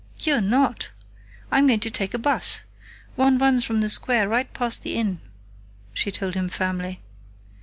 "You're not! I'm going to take a bus. One runs from the Square right past the Inn," she told him firmly.